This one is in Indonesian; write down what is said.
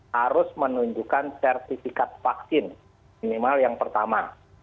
harus menunjukkan sertifikat vaksin minimal yang pertama